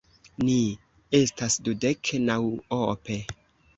Ni estas dudek naŭope.